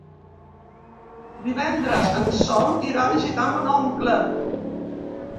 Divendres en Sol irà a visitar mon oncle.